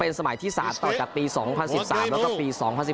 เป็นสมัยทศาสตร์ต่อจากปี๒๐๑๓แล้วก็ปี๒๐๑๖